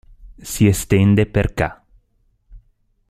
Si estende per ca.